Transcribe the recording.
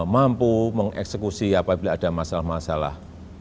mampu mengeksekusi apabila ada masalah masalah